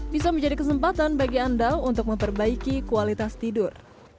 bisa menjadi kesempatan bagi anda untuk memperbaiki kualitas tidur